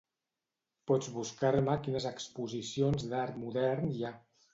Pots buscar-me quines exposicions d'art modern hi ha.